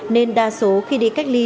nên đa số khi đi cách ly